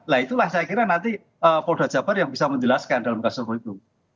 lah itulah saya kira nanti polda jawa barat yang bisa menjelaskan dalam kasus tersebut itu